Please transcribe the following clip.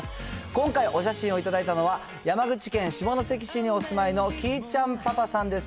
今回、お写真を頂いたのは山口県下関市にお住まいのキーちゃんパパさんです。